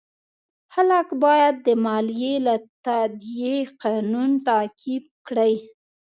خلک باید د مالیې د تادیې قانون تعقیب کړي.